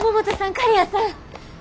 刈谷さん！